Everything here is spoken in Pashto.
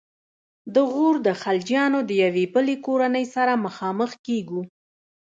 د غور د خلجیانو د یوې بلې کورنۍ سره مخامخ کیږو.